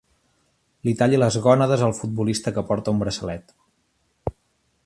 Li talli les gònades al futbolista que porta un braçalet.